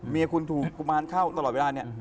เมียคุณถูกกุมารเข้าตลอดเวลาเนี่ย